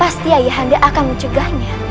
pasti ayah anda akan mencegahnya